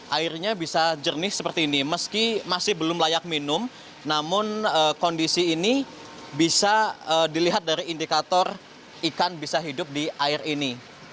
airnya bisa jernih seperti ini meski masih belum layak minum namun kondisi ini bisa dilihat dari indikator ikan bisa hidup di air ini